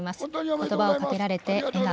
ことばをかけられて、笑顔。